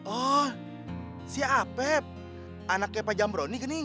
oh si apep anaknya pak jambroni kan neng